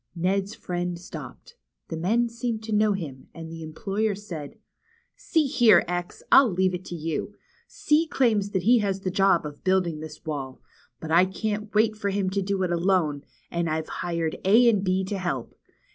Ned's friend stopped. The men seemed to know him, and the employer said : See here, X, I'll leave it to you. C claims that 64 THE CHILDREN'S WONDER BOOK. he has the job of building this wall. But I can't wait for him to do it alone, and I've hired A and B to help.